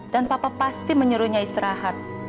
dan papa pasti menyuruhnya istirahat